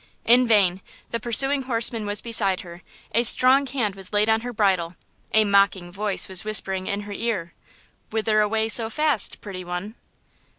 In vain! The pursuing horseman was beside her; a strong hand was laid on her bridle; a mocking voice was whispering in her ear: "Whither away so fast, pretty one?"